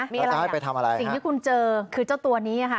ซ้ายไปทำอะไรสิ่งที่คุณเจอคือเจ้าตัวนี้ค่ะ